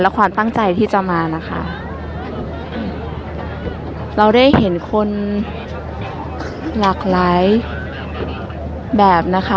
ความตั้งใจที่จะมานะคะเราได้เห็นคนหลากหลายแบบนะคะ